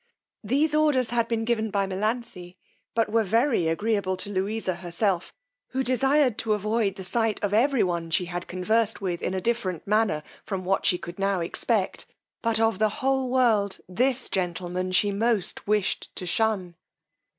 These orders had been given by Melanthe, but were very agreeable to Louisa herself, who desired to avoid the sight of every one she had conversed with in a different manner from what she could now expect; but of the whole world this gentleman she most wished to shun.